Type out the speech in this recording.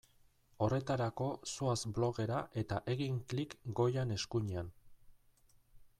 Horretarako zoaz blogera eta egin klik goian eskuinean.